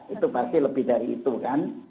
itu pasti lebih dari itu kan